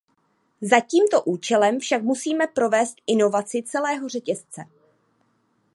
Za tímto účelem však musíme provést inovaci celého řetězce.